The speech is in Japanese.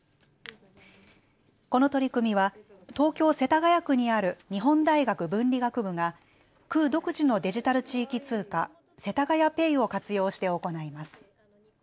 この取り組みは東京世田谷区にある日本大学文理学部が区独自のデジタル地域通貨、せたがやＰａｙを活用して行います。